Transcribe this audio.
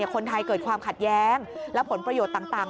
คนไทยเกิดความขัดแย้งและผลประโยชน์ต่าง